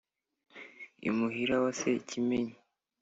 imuhira wa sekimenyi